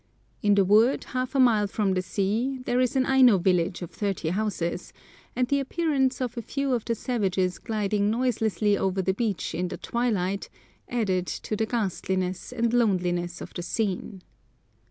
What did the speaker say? In the wood, half a mile from the sea, there is an Aino village of thirty houses, and the appearance of a few of the savages gliding noiselessly over the beach in the twilight added to the ghastliness and loneliness of the scene.